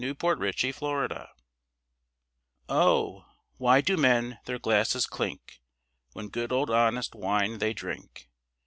THE FIVE SENSES Oh, why do men their glasses clink When good old honest wine they drink?